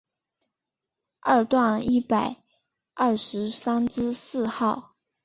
二段一百二十三之四号